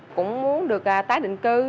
cũng muốn được tái định cư